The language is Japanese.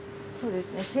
そうですね。